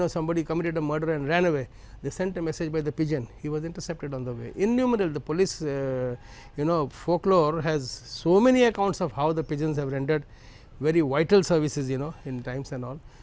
sehingga dua puluh tahun